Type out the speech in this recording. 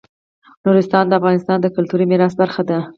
نورستان د افغانستان د کلتوري میراث برخه ده.